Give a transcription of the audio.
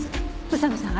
宇佐見さん